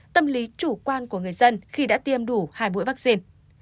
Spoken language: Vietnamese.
tâm lý chủ quan của người dân khi đã tiêm đủ hai mũi vaccine